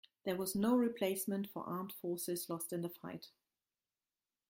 There was no replacement for armed forces lost in the fight.